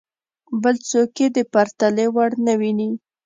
بل څوک یې د پرتلې وړ نه ویني.